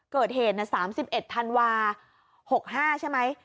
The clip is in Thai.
เกิดเหตุ๓๑ธันวา๖๕ใช่ไหม